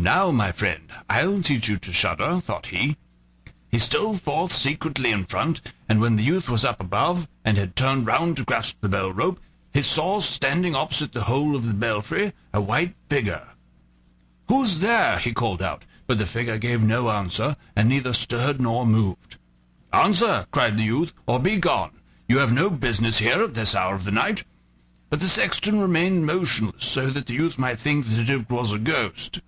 "Now, my friend, I'll teach you to shudder," thought he. He stole forth secretly in front, and when the youth was up above, and had turned round to grasp the bell rope, he saw, standing opposite the hole of the belfry, a white figure. "Who's there?" he called out, but the figure gave no answer, and neither stirred nor moved. "Answer," cried the youth, "or begone; you have no business here at this hour of the night." But the sexton remained motionless, so that the youth might think that it was a ghost.